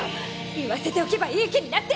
言わせておけばいい気になって！